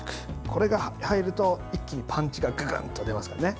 これが入ると一気にパンチがぐぐっと出ますからね。